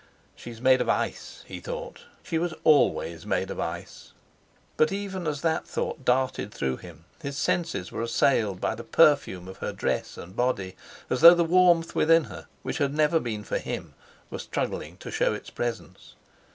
"She's made of ice," he thought—"she was always made of ice!" But even as that thought darted through him, his senses were assailed by the perfume of her dress and body, as though the warmth within her, which had never been for him, were struggling to show its presence.